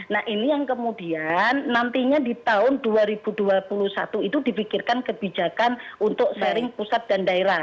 nah ini yang kemudian nantinya di tahun dua ribu dua puluh satu itu dipikirkan kebijakan untuk sharing pusat dan daerah